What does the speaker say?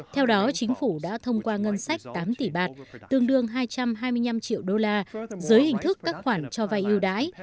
theo đó chính phủ đã thông qua ngân sách tám tỷ bạt tương đương hai trăm hai mươi năm triệu đô la dưới hình thức các khoản cho vay yêu đãi